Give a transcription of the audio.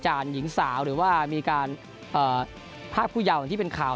หรือว่ามีการพาหกผู้เยาเหมือนที่เป็นข่าว